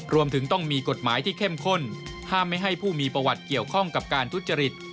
รวมถึงต้องมีกฎหมายที่เข้มข้นห้ามไม่ให้ผู้มีประวัติเกี่ยวข้องกับการทุจริต